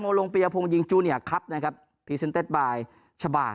โมงโรงเบียร์พรุงยิงจูเนียร์ครับนะครับพรีเซ็นเตสบายชาบาล